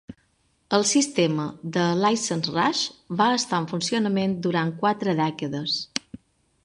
El sistema de Licence Raj va estar en funcionament durant quatre dècades.